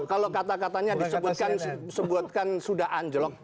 kalau kata katanya disebutkan disebutkan sudah anjlok